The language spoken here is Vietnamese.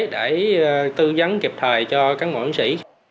để tư vấn kịp thời cho cán bộ chiến sĩ